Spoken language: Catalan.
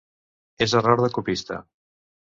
És error de copista.